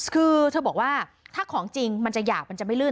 คือเธอบอกว่าถ้าของจริงมันจะหยากมันจะไม่ลื่น